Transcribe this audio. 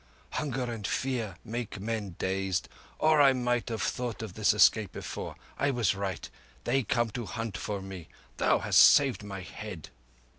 "Hunger and fear make men dazed, or I might have thought of this escape before. I was right. They come to hunt for me. Thou hast saved my head."